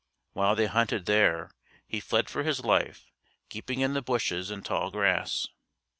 While they hunted there, he fled for his life, keeping in the bushes and tall grass.